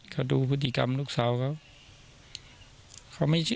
เขาดูพฤติกรรมลูกสาวเขา